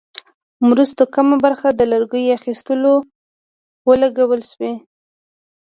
مرستو کمه برخه د لرګیو اخیستلو ولګول شوې.